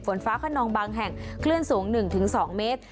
ฝนฟ้าคนนองบางแห่งคลื่นสูงหนึ่งถึงสองเมตร